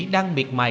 đang miệt mài